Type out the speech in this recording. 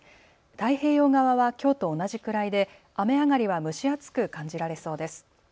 太平洋側はきょうと同じくらいで雨上がりは蒸し暑く感じられそうです。